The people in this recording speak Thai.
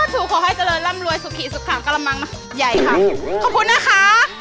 ถูกขอให้เจริญร่ำรวยสุขิสุขามกระมังใหญ่ค่ะขอบคุณนะคะ